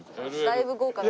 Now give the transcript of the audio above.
だいぶ豪華だな。